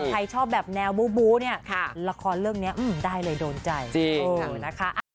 ใครชอบแบบแนวบูเนี่ยละครเรื่องนี้ได้เลยโดนใจนะคะ